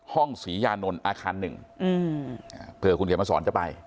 ห้องศรียานนลอาคาร๑เผื่อคุณเขียนมาสอนจะไป